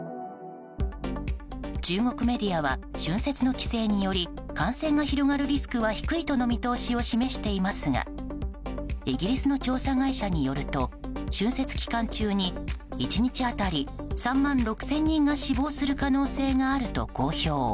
中国メディアは春節の帰省により感染が広がるリスクは低いとの見通しを示していますがイギリスの調査会社によると春節期間中に１日当たり３万６０００人が死亡する可能性があると公表。